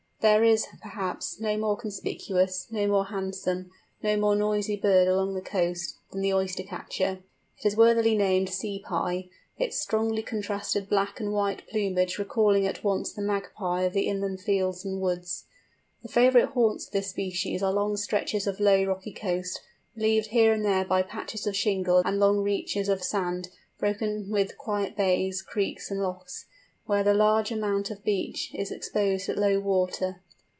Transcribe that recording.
There is, perhaps, no more conspicuous, no more handsome, no more noisy bird along the coast, than the Oyster catcher. It is worthily named "Sea Pie," its strongly contrasted black and white plumage recalling at once the Magpie of the inland fields and woods. The favourite haunts of this species are long stretches of low, rocky coast, relieved here and there by patches of shingle and long reaches of sand, broken with quiet bays, creeks, and lochs, where a large amount of beach is exposed at low water.